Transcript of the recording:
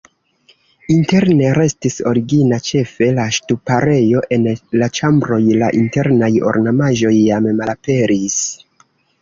Interne restis origina ĉefe la ŝtuparejo, en la ĉambroj la internaj ornamaĵoj jam malaperis.